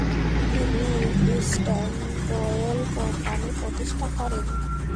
তিনি Standard Oil company প্রতিষ্ঠা করেন।